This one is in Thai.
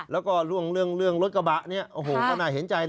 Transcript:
แล้วก็เรื่องรถกระบะเนี่ยโอ้โหก็น่าเห็นใจนะ